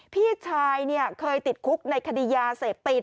พี่ชายเคยติดคุกในคดียาเสพติด